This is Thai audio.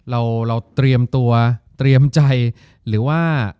เราเตรียมตัวเตรียมใจหรือว่า